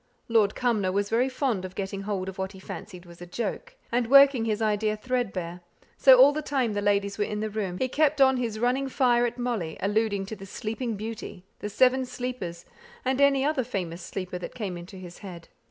Lord Cumnor was very fond of getting hold of what he fancied was a joke, and working his idea threadbare; so all the time the ladies were in the room he kept on his running fire at Molly, alluding to the Sleeping Beauty, the Seven Sleepers, and any other famous sleeper that came into his head.